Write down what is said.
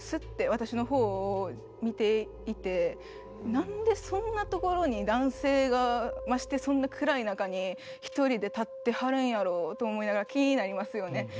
何でそんな所に男性がましてそんな暗い中に１人で立ってはるんやろうと思いながら気になりますよね。